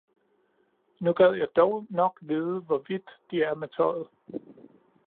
Nu gad jeg dog nok vide, hvor vidt de er med tøjet!